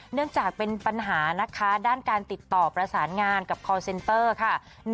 เนื่องจากเป็นปัญหานะคะด้านการติดต่อประสานงานกับคอร์เซนเตอร์ค่ะ